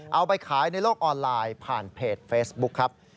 เอาไปขายในโลกออนไลน์ผ่านเพจเฟซบุ๊คครับ